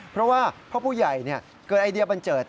เพราะว่าพ่อผู้ใหญ่เกิดไอเดียบันเจิด